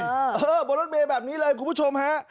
เออบนรถเมย์แบบนี้เลยคุณผู้ชมฮะ